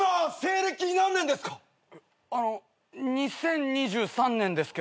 あの２０２３年ですけど。